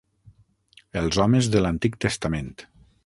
Els homes de l'Antic Testament.